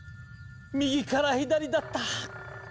右から左だった。